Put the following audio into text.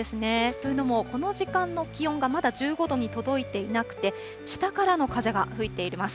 というのも、この時間の気温がまだ１５度に届いていなくて、北からの風が吹いています。